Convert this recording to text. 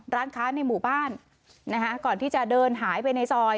ร้านค้าในหมู่บ้านนะคะก่อนที่จะเดินหายไปในซอย